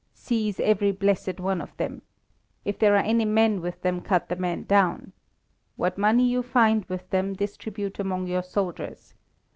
Seize every blessed one of them. If there are any men with them, cut the men down. What money you find with them distribute among your soldiers.